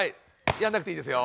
やんなくていいですよ。